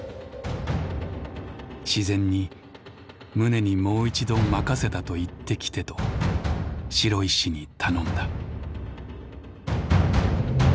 自然に宗にもう一度任せたと言ってきてと城石に頼んだ」。